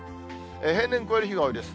平年超える日が多いです。